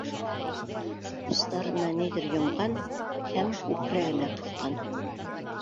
Устарына ниҙер йомған һәм күкрәгенә ҡыҫҡан.